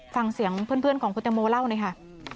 ฟังเสียงเพื่อนของคุณตังโมเล่าหน่อยค่ะ